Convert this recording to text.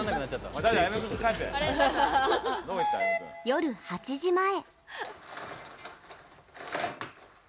夜８時前。